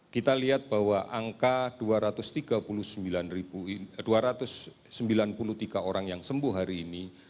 kita lihat bahwa angka dua ratus tiga ratus sembilan puluh tiga orang yang sembuh hari ini